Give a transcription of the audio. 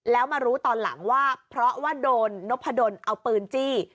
แล้วมารู้ตอนหลังว่าเพราะว่าโดนนพดลเอาปืนจี้